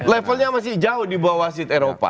levelnya masih jauh di bawah wasit eropa